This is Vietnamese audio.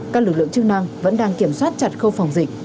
các lực lượng chức năng vẫn đang kiểm soát chặt khâu phòng dịch